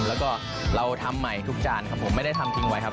แล้วก็เราทำใหม่ทุกจานครับผมไม่ได้ทำทิ้งไว้ครับ